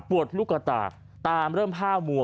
ลูกกระตากตามเริ่มผ้ามัว